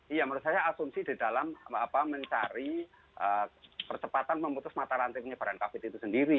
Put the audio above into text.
iya menurut saya asumsi di dalam mencari percepatan memutus mata rantai penyebaran covid itu sendiri